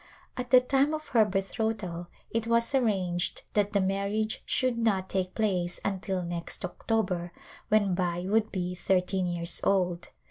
At the time of her betrothal it was arranged that the marriage should not take place until next October when Bai would be thirteen years old.